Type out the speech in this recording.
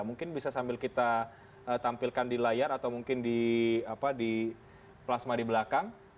mungkin bisa sambil kita tampilkan di layar atau mungkin di plasma di belakang